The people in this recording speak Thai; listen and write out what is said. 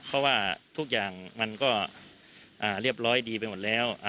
เพราะว่าทุกอย่างมันก็เรียบร้อยดีไปหมดแล้ว